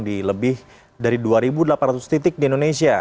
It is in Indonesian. di lebih dari dua delapan ratus titik di indonesia